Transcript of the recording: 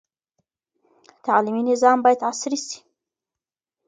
تعلیمي نظام باید عصري سي.